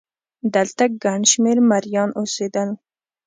دلته ګڼ شمېر مریان اوسېدل